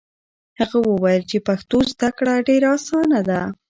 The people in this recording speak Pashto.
هغه وویل چې پښتو زده کړه ډېره اسانه ده.